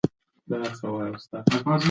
انټرنيټ د خلکو ترمنځ اړیکې پیاوړې کوي.